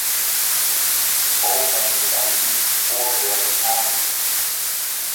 Bolton is on the east border of the county.